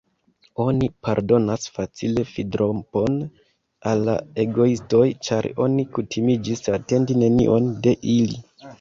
Oni pardonas facile fidrompon al la egoistoj, ĉar oni kutimiĝis atendi nenion de ili.